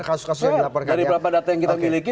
kasus kasus dari beberapa data yang kita miliki